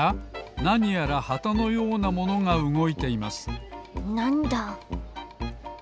なにやらはたのようなものがうごいていますなんだ？